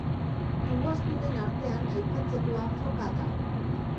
Ugaztunen artean aipatzekoa foka da.